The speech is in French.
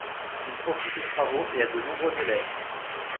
Il poursuit ses travaux et a de nombreux élèves.